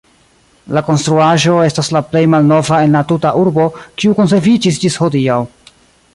La konstruaĵo estas la plej malnova en la tuta urbo, kiu konserviĝis ĝis hodiaŭ.